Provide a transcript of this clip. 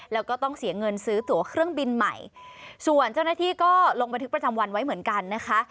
แล้วก็ต้องเสียเงินซื้อตัวเครื่องบินใหม่ส่วนเจ้าหน้าที่ก็ลงบันทึกประจำวันไว้เหมือนกันนะคะ